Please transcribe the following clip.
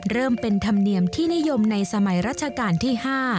เป็นธรรมเนียมที่นิยมในสมัยรัชกาลที่๕